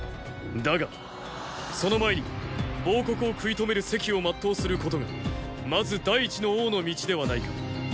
だがその前に亡国をくい止める責を全うすることがまず第一の王の道ではないか。